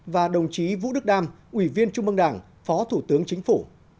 và đồng chí vũ đức đam ủy viên trung mương đảng phó thủ tướng chính phủ